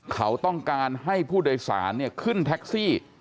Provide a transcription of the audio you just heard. เขาต้องการให้ผู้โดยสารขึ้นแท็กซี่